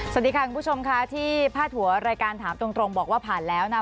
สวัสดีค่ะคุณผู้ชมค่ะที่พาดหัวรายการถามตรงบอกว่าผ่านแล้วนะ